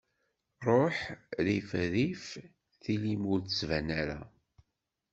Ruḥ rrif rrif, tili-m ur d-ttban ara.